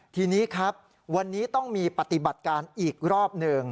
ทีนี้ครับวันนี้ต้องมีปฏิบัติการอีกรอบหนึ่ง